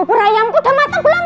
eh bubur ayamku udah matang belum ya